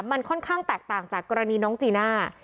มันค่อนข้างแตกต่างจากกรณีน้องจีน่า